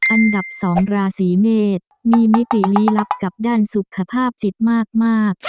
อันดับ๒ราศีเมษมีมิติลี้ลับกับด้านสุขภาพจิตมาก